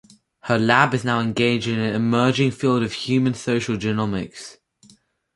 Her lab is now engaged in an emerging field of human social genomics.